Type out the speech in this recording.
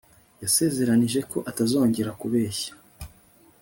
Yasezeranije ko atazongera kubeshya